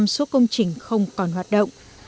hai một mươi hai số công trình không còn hoạt động